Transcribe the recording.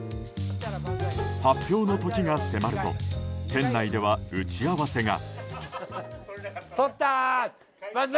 発表の時が迫ると店内では打ち合わせが。